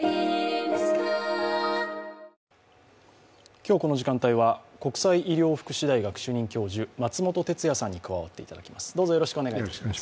今日この時間帯は国際医療福祉大学主任教授松本哲哉さんに加わっていただきます。